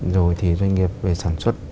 rồi thì doanh nghiệp về sản xuất